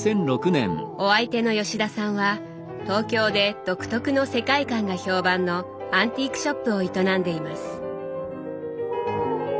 お相手の吉田さんは東京で独特の世界観が評判のアンティークショップを営んでいます。